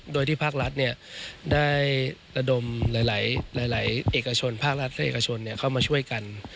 โดยที่ภาครัฐได้ระดมหลายเอกชนภาครัฐและเอกชนเข้ามาช่วยกัน